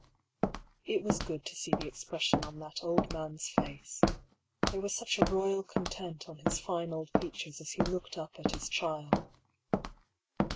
It was good to see the expression on that old man's face. There was such a royal content on his fine old features as he looked up at his child.